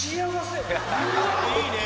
いいね。